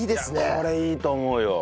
これいいと思うよ。